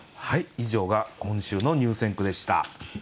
以上が今週の入選句でした。